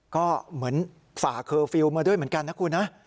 ก็เหมือนฝากเคอร์ฟิลล์มาด้วยเหมือนกันนะคุณนะ